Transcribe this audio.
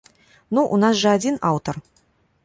Ну, у нас жа адзін аўтар.